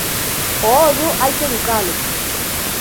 O ollo hai que educalo.